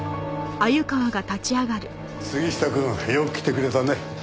杉下くんよく来てくれたね。